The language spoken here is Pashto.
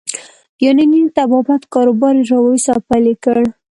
د یوناني طبابت کاروبار يې راویست او پیل یې کړ.